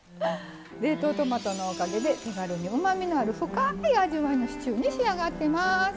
冷凍トマトのおかげで手軽にうまみのある深い味わいのシチューに仕上がってます。